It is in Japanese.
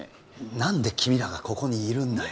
何で君らがここにいるんだよ